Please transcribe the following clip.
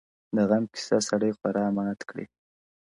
o د غم قصه سړی خورا مات کړي,